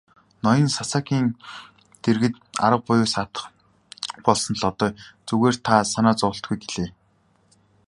Ноён Сасакийн дэргэд арга буюу саатах болсон Лодой "Зүгээр та зоволтгүй" гэлээ.